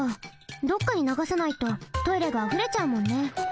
どっかにながさないとトイレがあふれちゃうもんね。